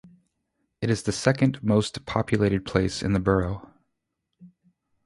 It is the second most populated place in the borough.